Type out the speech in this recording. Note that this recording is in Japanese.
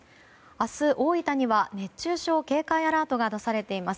明日、大分には熱中症警戒アラートが出されています。